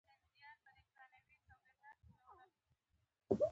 د افغانستان د اقتصادي پرمختګ لپاره پکار ده چې څرمنې پروسس شي.